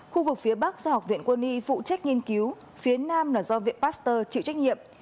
khu vực phía bắc do học viện quân y phụ trách nghiên cứu phía nam là do viện pasteur chịu trách nhiệm